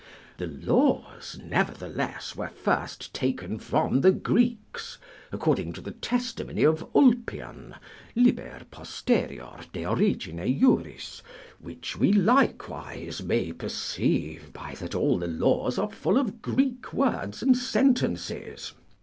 The laws, nevertheless, were first taken from the Greeks, according to the testimony of Ulpian, L. poster. de origine juris, which we likewise may perceive by that all the laws are full of Greek words and sentences.